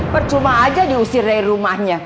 percuma aja diusir dari rumahnya